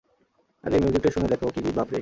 আরে মিউজিকটা শুনে দেখ কী বিট বাপরে!